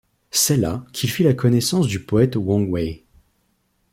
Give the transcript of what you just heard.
C’est là qu’il fit la connaissance du poète Wang Wei.